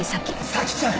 咲ちゃん！